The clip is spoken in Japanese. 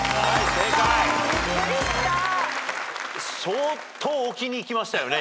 相当置きにいきましたよね